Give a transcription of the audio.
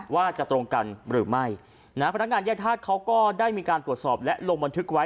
ว่าจะตรงกันหรือไม่นะฮะพนักงานแยกธาตุเขาก็ได้มีการตรวจสอบและลงบันทึกไว้